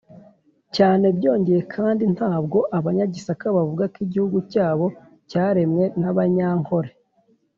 cyane. byongeya kandi ntabwo abanyagisaka bavuga ko igihugu cyabo cyaremwe n’abanyankore,